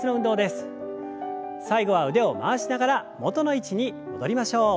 最後は腕を回しながら元の位置に戻りましょう。